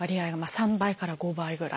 ３倍から５倍ぐらい。